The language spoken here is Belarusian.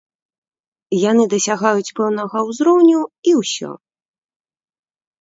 Яны дасягаюць пэўнага ўзроўню, і ўсё.